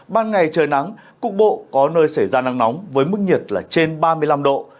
ban ngày trời nắng cục bộ có nơi xảy ra nắng nóng với mức nhiệt là trên ba mươi năm độ